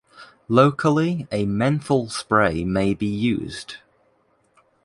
Locally a menthol spray may be used.